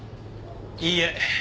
いいえ。